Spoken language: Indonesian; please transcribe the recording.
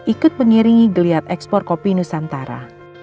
ikut mengiringi geliat ekspor kopi nusantara